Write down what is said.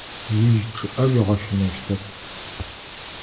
Ижьы чъыIэ уигъэщынэщтэп.